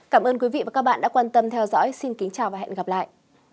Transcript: cảm ơn quý vị và các bạn đã quan tâm theo dõi xin kính chào và hẹn gặp lại